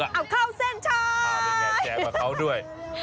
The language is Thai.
อ้าวเข้าสันชัยก็แบบเห็นเขาด้วย